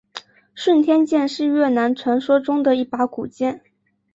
顺天剑是越南传说中的一把古剑。